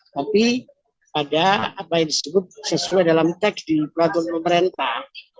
tapi pada apa yang disebut sesuai dalam teks di peraturan pemerintah